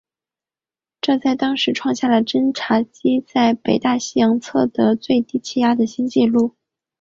这在当时创下了侦察机在北大西洋测得最低气压的新纪录。